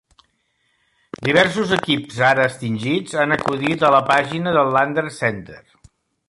Diversos equips ara extingits han acudit a la pàgina del Landers Center.